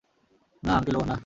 না, আংকেল ওহ না!